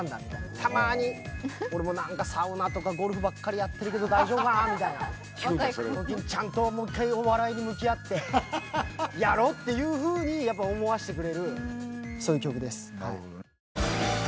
たまに俺もサウナとかゴルフばっかりやってるけど大丈夫かなみたいなときにちゃんともう一回お笑いに向き合ってやろうっていうふうに思わしてくれるそういう曲です。